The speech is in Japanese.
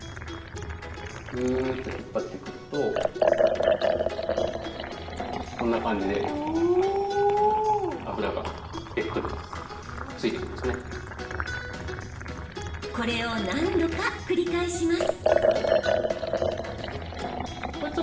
ぐーっと引っ張ってくるとこんな感じでこれを何度か繰り返します。